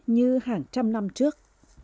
như hàng trăm năm trước